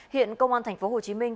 hiện công an thành phố hồ chí minh